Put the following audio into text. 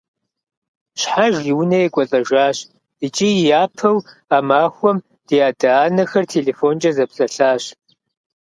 Щхьэж и унэ екӀуэлӀэжащ, икӀи япэу а махуэм ди адэ-анэхэр телефонкӀэ зэпсэлъащ.